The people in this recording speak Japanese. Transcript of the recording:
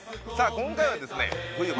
今回はですね